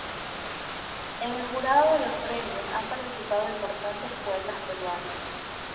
En el jurado de los premios han participado importantes poetas peruanos.